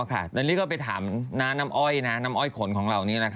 นันนี่ก็ไปถามน้าน้ำอ้อยขนของเรานี้